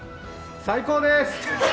最高です！